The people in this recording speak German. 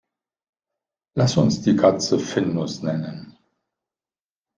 Lass uns die Katze Findus nennen.